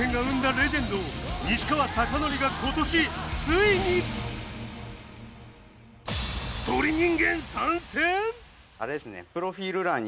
レジェンド西川貴教が今年ついにあれですね。